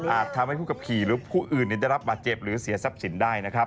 ทำให้ผู้ขับขี่หรือผู้อื่นได้รับบาดเจ็บหรือเสียทรัพย์สินได้นะครับ